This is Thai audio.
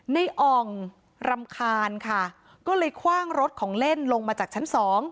อ่องรำคาญค่ะก็เลยคว่างรถของเล่นลงมาจากชั้นสอง